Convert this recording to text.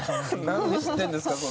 何で知ってんですか。